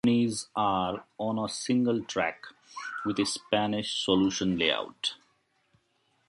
The two terminis are on a single track with a Spanish solution layout.